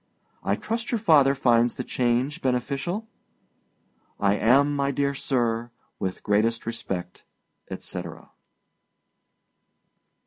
I trust your father finds the change beneficial? I am, my dear sir, with great respect, etc. II.